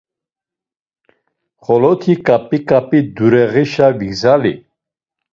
Xoloti ǩap̌i ǩap̌i durağişe vigzali.